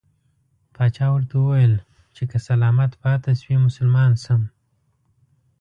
پاچا ورته وویل چې که سلامت پاته شوې مسلمان شم.